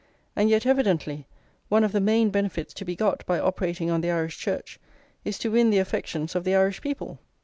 And yet, evidently, one of the main benefits to be got by operating on the Irish Church is to win the affections of the Irish people.